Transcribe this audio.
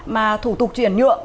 mà thủ tục chuyển nhượng